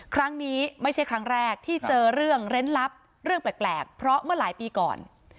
ครั้งนี้ไม่ใช่ครั้งแรกที่เจอเรื่องเล่นลับเรื่องแปลกเพราะเมื่อหลายปีก่อน